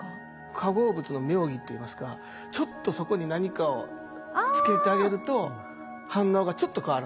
化合物の妙技といいますかちょっとそこに何かをつけてあげると反応がちょっと変わるんですよね。